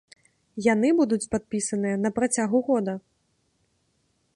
Яны будуць падпісаныя на працягу года.